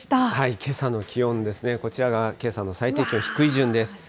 けさの気温ですね、こちらがけさの最低気温、低い順です。